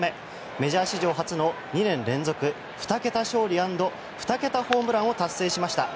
メジャー史上初の２年連続２桁勝利アンド２桁ホームランを達成しました。